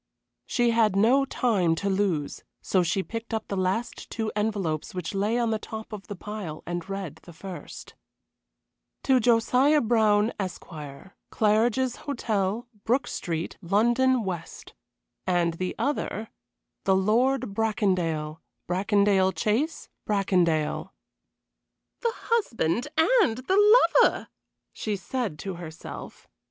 She had no time to lose, so she picked up the last two envelopes which lay on the top of the pile and read the first: To Josiah Brown, Esq., Claridge's Hotel, Brook Street, London, W. and the other: The Lord Bracondale, Bracondale Chase, Bracondale. "The husband and the lover!" she said to herself.